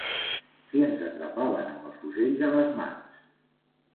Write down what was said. Si ens atrapaven amb els fusells a les mans